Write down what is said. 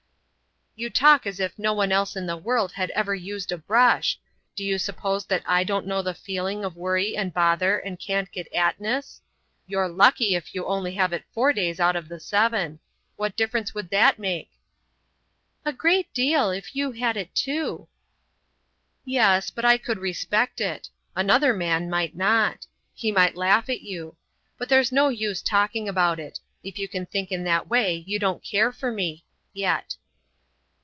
"You talk as if no one else in the world had ever used a brush. D'you suppose that I don't know the feeling of worry and bother and can't get at ness? You're lucky if you only have it four days out of the seven. What difference would that make?" "A great deal—if you had it too." "Yes, but I could respect it. Another man might not. He might laugh at you. But there's no use talking about it. If you can think in that way you can't care for me—yet."